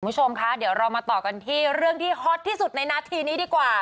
คุณผู้ชมคะเดี๋ยวเรามาต่อกันที่เรื่องที่ฮอตที่สุดในนาทีนี้ดีกว่า